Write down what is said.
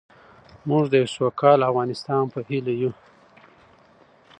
موږ د یو سوکاله افغانستان په هیله یو.